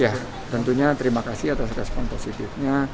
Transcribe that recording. ya tentunya terima kasih atas respon positifnya